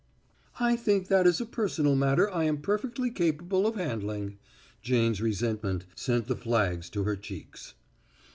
"I think that is a personal matter I am perfectly capable of handling." Jane's resentment sent the flags to her cheeks.